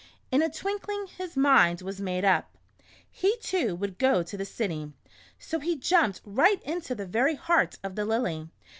In a twinkling his mind was made up. He, too, would go to the city ; so he jumped right into the very heart of the Lily.